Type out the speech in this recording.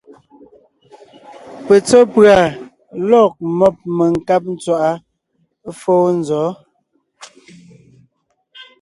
Petsɔ́ pʉ̀a lɔ̂g mɔ́b menkáb ntswaʼá fóo nzɔ̌?